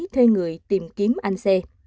thay người tìm kiếm anh c